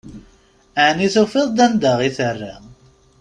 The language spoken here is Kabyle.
Ɛni tufiḍ-d anda i terra?